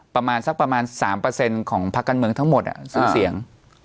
ประมาณสักประมาณ๓ของภาคการเมืองทั้งหมดสิ้นเสียง